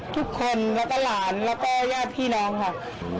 ทุกคนแล้วก็หลานแล้วก็ญาติพี่น้องค่ะ